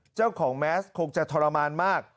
เจ้าของแมสคงจะทรมานมาก